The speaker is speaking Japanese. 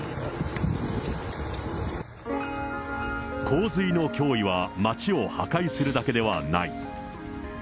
洪水の脅威は街を破壊するだけではない。